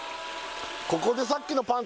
ここでさっきのパン